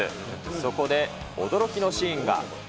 そこで驚きのシーンが。